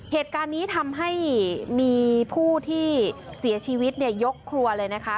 เหตุการณ์นี้ทำให้มีผู้ที่เสียชีวิตยกครัวเลยนะคะ